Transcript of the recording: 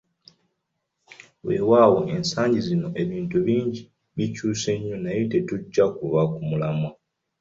Weewaawo ensangi zino ebintu bingi bikyuse nnyo naye tetujja kuva ku mulamwa.